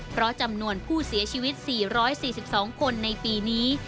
เพราะจำนวนผู้เสียชีวิต๔๔๒คนในปีนี้